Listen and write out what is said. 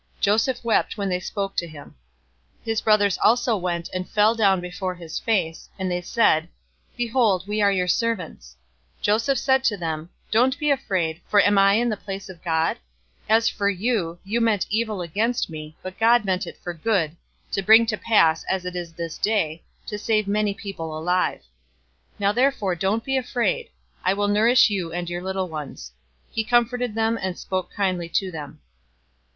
Joseph wept when they spoke to him. 050:018 His brothers also went and fell down before his face; and they said, "Behold, we are your servants." 050:019 Joseph said to them, "Don't be afraid, for am I in the place of God? 050:020 As for you, you meant evil against me, but God meant it for good, to bring to pass, as it is this day, to save many people alive. 050:021 Now therefore don't be afraid. I will nourish you and your little ones." He comforted them, and spoke kindly to them.